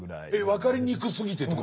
分かりにくすぎてってことですか？